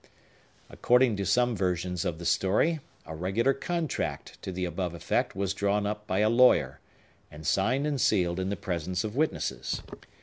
According to some versions of the story, a regular contract to the above effect was drawn up by a lawyer, and signed and sealed in the presence of witnesses.